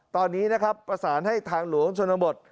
ตอนนี้นะครับประสานให้ทางหลวงชนบท